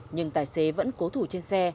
nhưng tài xế vẫn cố thủ trên xe